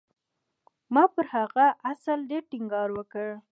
ما پر هغه اصل ډېر ټينګار وکړ.